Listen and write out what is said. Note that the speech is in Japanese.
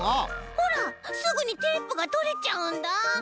ほらすぐにテープがとれちゃうんだ。